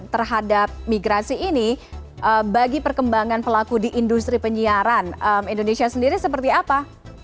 terhadap migrasi ini bagi perkembangan pelaku di industri penyiaran indonesia sendiri seperti apa